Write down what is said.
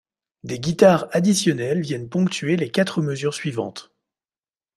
Des guitares additionnelles viennent ponctuer les quatre mesures suivantes.